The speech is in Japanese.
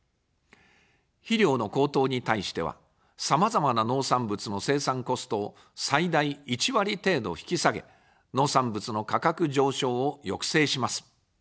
肥料の高騰に対しては、さまざまな農産物の生産コストを最大１割程度引き下げ、農産物の価格上昇を抑制します。